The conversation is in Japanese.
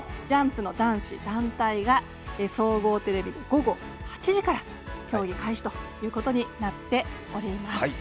ジャンプの男子団体が総合テレビで午後８時から競技開始ということになっております。